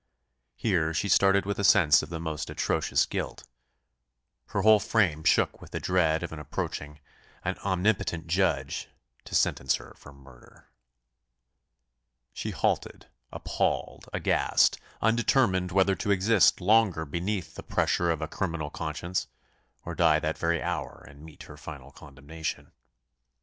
Here she started with a sense of the most atrocious guilt; and her whole frame shook with the dread of an approaching, an omnipotent Judge, to sentence her for murder. She halted, appalled, aghast, undetermined whether to exist longer beneath the pressure of a criminal conscience, or die that very hour, and meet her final condemnation.